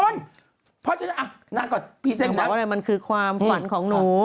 นางกอดพริเศกบอกว่ามันคือความฝันของหนู